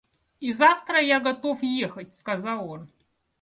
И завтра я готов ехать, — сказал он.